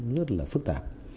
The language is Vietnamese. rất là phức tạp